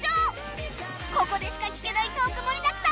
ここでしか聞けないトーク盛りだくさん！